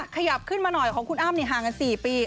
ขยับขึ้นมาหน่อยของคุณอ้ำห่างกัน๔ปี